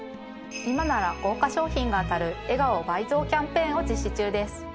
今なら豪華賞品が当たる笑顔倍増キャンペーンを実施中です。